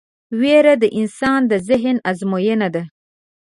وېره د انسان د ذهن ازموینه ده.